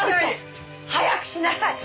早くしなさい！